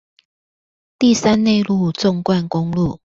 第三內陸縱貫公路